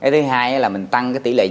thứ hai là mình tăng tỷ lệ dự trị